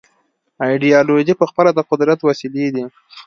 ایدیالوژۍ پخپله د قدرت وسیلې دي.